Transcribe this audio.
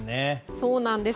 そうなんです。